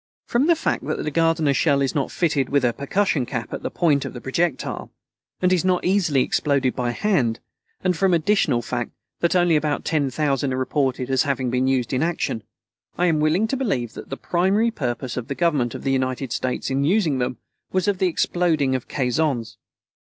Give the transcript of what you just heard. From the fact that the Gardiner shell is not fitted with a percussion cap at the point of the projectile, and is not easily exploded by hand, and from the additional fact that only about ten thousand are reported as having been used in action, I am willing to believe that the primary purpose of the Government of the United States in using them was the exploding of caissons.